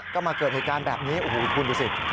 ก็มาเกิดเหตุการณ์แบบนี้โอ้โหคุณดูสิ